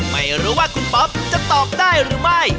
ไม่รู้ว่าคุณป๊อปจะตอบได้หรือไม่